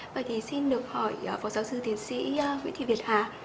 vậy thì xin được hỏi phó giáo sư tiến sĩ nguyễn thị việt hà